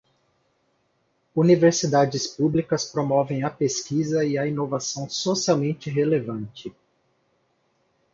Universidades públicas promovem a pesquisa e a inovação socialmente relevante.